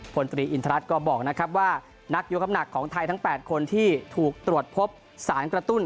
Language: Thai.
พลตรีอินทรัศนก็บอกนะครับว่านักยกคำหนักของไทยทั้ง๘คนที่ถูกตรวจพบสารกระตุ้น